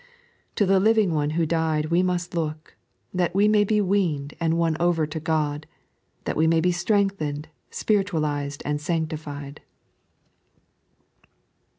To the Living One who died we must look, that we may he weaned and won over to Ood, that we may be strengthened, spiritualized, and sanotiGed."